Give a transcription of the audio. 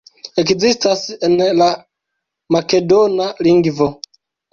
Ekzistas en la makedona lingvo.